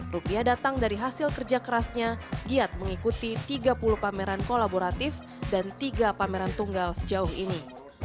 rupiah datang dari hasil kerja kerasnya giat mengikuti tiga puluh pameran kolaboratif dan tiga pameran tunggal sejauh ini